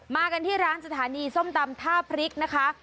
กันที่ร้านสถานีส้มตำท่าพริกนะคะ